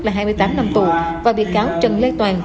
là hai mươi tám năm tù và bị cáo trần lê toàn